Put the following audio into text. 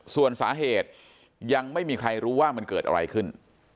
ส่วนสาเหตุยังไม่มีใครรู้ว่ามันเกิดอะไรขึ้น